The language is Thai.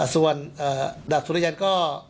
ส่วนดาบสุริยันก็